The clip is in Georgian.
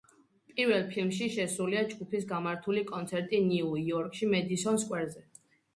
პირველ ფილმში შესულია ჯგუფის გამართული კონცერტი ნიუ-იორკში, მედისონ სკვერზე.